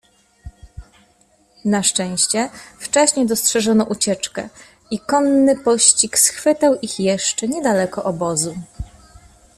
Na szczęście wcześnie dostrzeżono ucieczkę i konny pościg schwytał ich jeszcze nie daleko obozu.